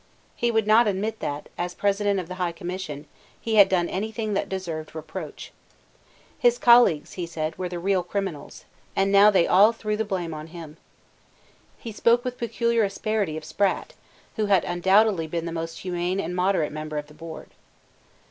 He would not admit that, as President of the High Commission, he had done any thing that deserved reproach. His colleagues, he said, were the real criminals; and now they threw all the blame on him. He spoke with peculiar asperity of Sprat, who had undoubtedly been the most humane and moderate member of the board.